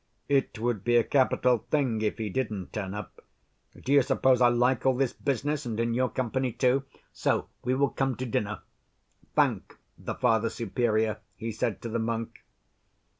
"It would be a capital thing if he didn't turn up. Do you suppose I like all this business, and in your company, too? So we will come to dinner. Thank the Father Superior," he said to the monk.